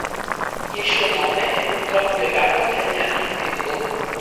Il suo nome è purtroppo legato anche agli Anni di piombo.